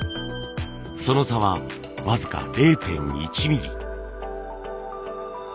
その差は僅か０．１ミリ。